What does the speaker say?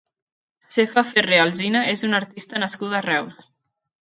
Sefa Ferré Alsina és una artista nascuda a Reus.